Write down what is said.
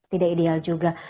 tidak ideal juga